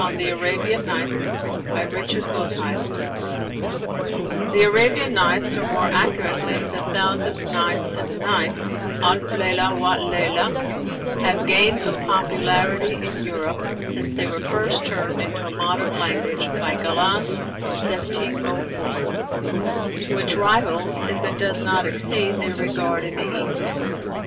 THE ARABIAN NIGHTS BY RICHARD GOTTHEIL The Arabian Nights or, more accurately, 'The Thousand Nights and a Night' (Alf Leilah wa leílah) have gained a popularity in Europe, since they were first turned into a modern language by Galland in 1704, which rivals, if it does not exceed, their regard in the East.